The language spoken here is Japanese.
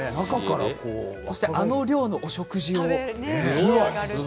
そしてあの量のお食事を。